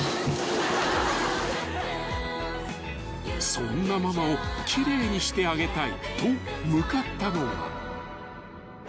［そんなママを奇麗にしてあげたいと向かったのは］